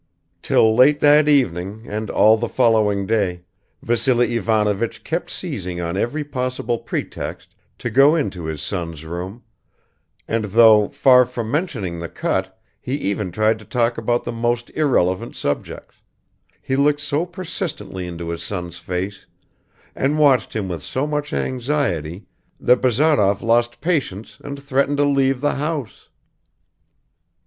Till late that evening and all the following day Vassily Ivanovich kept seizing on every possible pretext to go into his son's room, and though, far from mentioning the cut, he even tried to talk about the most irrelevant subjects, he looked so persistently into his son's face and watched him with so much anxiety that Bazarov lost patience and threatened to leave the house.